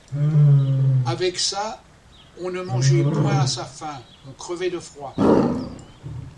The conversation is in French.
Avec ça, on ne mangeait point à sa faim, on crevait de froid.